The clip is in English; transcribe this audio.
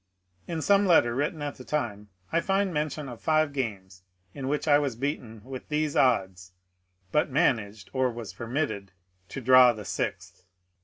In some letter written at the time, I find mention of five games in which I was beaten with these odds, but managed (or was permitted) to draw the sixth.